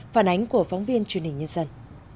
phản ánh của phóng viên truyền hình nhân dân